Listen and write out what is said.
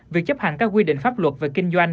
việc chấp hành các quy định pháp luật về kinh doanh